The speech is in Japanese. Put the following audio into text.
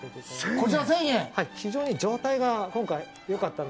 非常に状態がよかった。